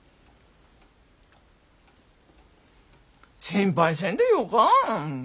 心配せんでよか。